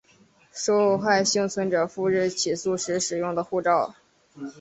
受害幸存者赴日起诉时使用的护照